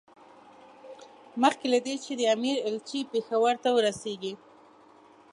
مخکې له دې چې د امیر ایلچي پېښور ته ورسېږي.